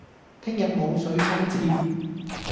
聽日冇水沖廁